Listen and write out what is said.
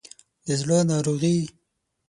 د زړه ناروغي